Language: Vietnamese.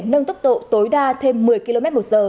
nâng tốc độ tối đa thêm một mươi km một giờ